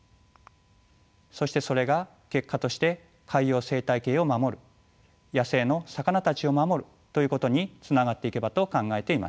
そしてそれが結果として海洋生態系を守る野生の魚たちを守るということにつながっていけばと考えています。